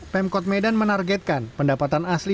pemkot medan menargetkan pendapatan asli